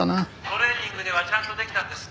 「トレーニングではちゃんとできたんです」